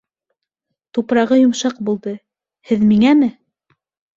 Тупрағы йомшаҡ булды. һеҙ... миңәме?